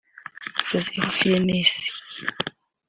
Joseph Fiennes